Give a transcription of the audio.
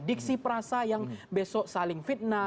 diksi perasa yang besok saling fitnah